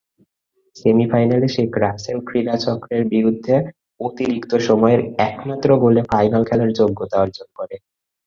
সেমিফাইনালে শেখ রাসেল ক্রীড়া চক্রের বিরুদ্ধে অতিরিক্ত সময়ের একমাত্র গোলে ফাইনালে খেলার যোগ্যতা অর্জন করে।